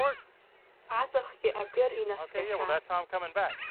Аҵыхгьы акыр инаскьахьан.